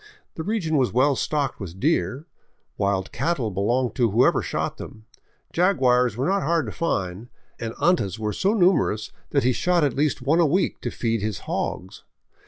The region was well stocked with deer; wild cattle belonged to whoever shot them; jaguars were not hard to find and antas were so numerous that he shot at least one a week to feed his hogs.